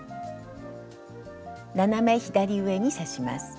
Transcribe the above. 斜め左上に刺します。